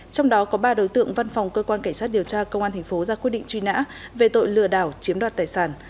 trong đó có ba đối tượng văn phòng cơ quan cảnh sát điều tra công an thành phố ra quyết định truy nã về tội lừa đảo chiếm đoạt tài sản